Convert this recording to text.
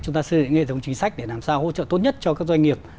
chúng ta xây dựng hệ thống chính sách để làm sao hỗ trợ tốt nhất cho các doanh nghiệp